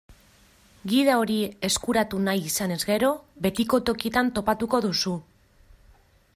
Gida hori eskuratu nahi izanez gero, betiko tokietan topatuko duzu.